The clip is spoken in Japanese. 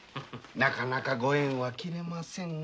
なかなかご縁は切れませんが。